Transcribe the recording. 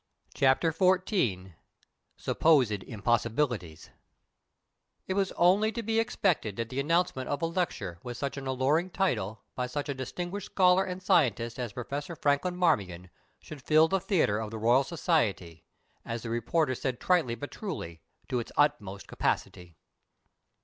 CHAPTER XIV "SUPPOSED IMPOSSIBILITIES" It was only to be expected that the announcement of a lecture with such an alluring title by such a distinguished scholar and scientist as Professor Franklin Marmion should fill the theatre of the Royal Society, as the reporters said tritely but truly, "to its utmost capacity."